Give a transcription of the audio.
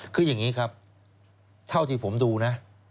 คืออย่างนี้ครับเท่าที่ผมดูนะ